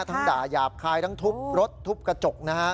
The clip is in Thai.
ด่าหยาบคายทั้งทุบรถทุบกระจกนะฮะ